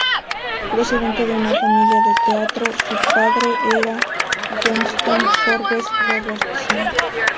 Procedente de una familia del teatro, su padre era Johnston Forbes-Robertson.